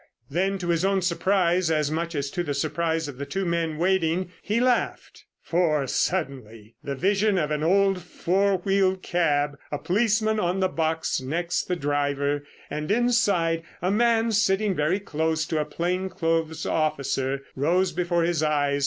Then, to his own surprise, as much as to the surprise of the two men waiting, he laughed. For, suddenly, the vision of an old four wheeled cab, a policeman on the box next the driver, and inside a man sitting very close to a plain clothes officer, rose before his eyes.